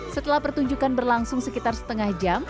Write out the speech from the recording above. setelah pertunjukan berlangsung sekitar setengah jam